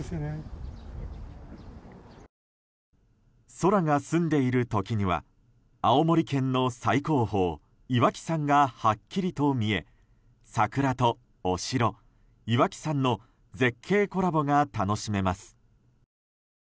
空が澄んでいる時には青森県の最高峰・岩木山がはっきりと見え桜とお城、岩木山の絶景コラボが楽しめます。